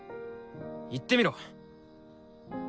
言ってみろ。